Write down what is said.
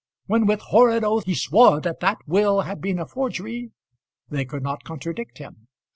When with horrid oaths he swore that that will had been a forgery, they could not contradict him.